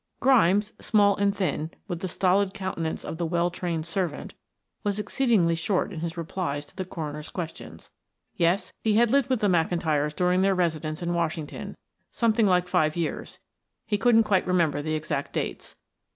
Grimes, small and thin, with the stolid countenance of the well trained servant, was exceedingly short in his replies to the coroner's questions. Yes, he had lived with the McIntyre during their residence in Washington, something like five years, he couldn't quite remember the exact dates.